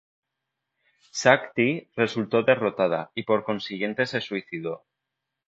Shaak-Ti resultó derrotada y por consiguiente se suicidó.